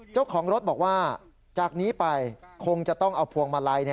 เจ้าของรถบอกว่าจากนี้ไปคงจะต้องเอาพวงมาลัย